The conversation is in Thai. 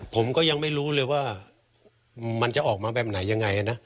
ผมก็ยังไม่รู้เลยว่ามันจะออกมาแบบไหนยังไงนะ